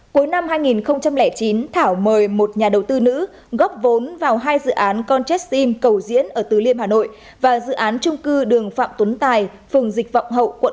quối năm hai nghìn chín thảo mời một nhà đầu tư nữ góp vốn